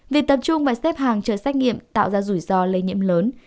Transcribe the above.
vì tập trung và xếp hàng trợ xét nghiệm tạo ra rủi ro lây nhiễm lớn